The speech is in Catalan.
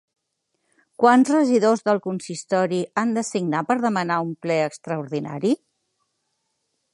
Quants regidors del consistori han de signar per demanar un ple extraordinari?